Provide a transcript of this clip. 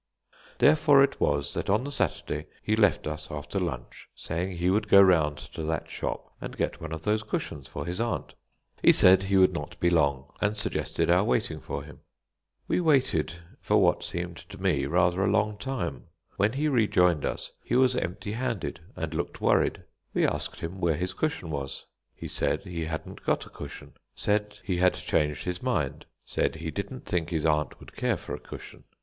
Therefore it was that on the Saturday he left us after lunch, saying he would go round to that shop and get one of those cushions for his aunt. He said he would not be long, and suggested our waiting for him. We waited for what seemed to me rather a long time. When he rejoined us he was empty handed, and looked worried. We asked him where his cushion was. He said he hadn't got a cushion, said he had changed his mind, said he didn't think his aunt would care for a cushion.